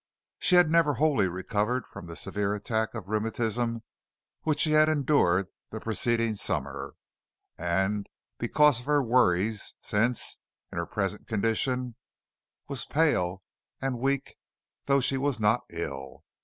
She had never wholly recovered from the severe attack of rheumatism which she had endured the preceding summer and, because of her worries since, in her present condition was pale and weak though she was not ill.